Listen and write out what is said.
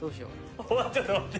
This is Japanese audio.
ちょっと待って。